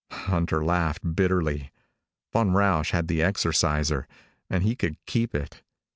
Hunter laughed bitterly. Von Rausch had the Exorciser, and he could keep it.